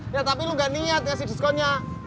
ya tapi lu gak niat ya si diskonnya